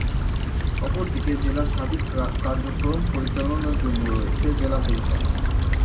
অপরদিকে, জেলার সার্বিক কার্যক্রম পরিচালনার জন্য রয়েছে "জেলা পরিষদ"।